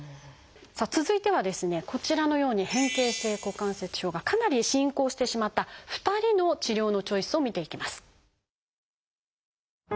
さあ続いてはですねこちらのように変形性股関節症がかなり進行してしまった２人の治療のチョイスを見ていきます。